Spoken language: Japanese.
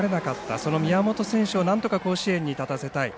その宮本選手をなんとか甲子園に立たせたい。